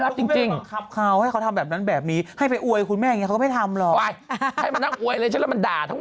ทั้งวันอ่ะเออแต่พอให้ไปด่านี่รับไปนะอย่าง๓แสปให้รับไปนะ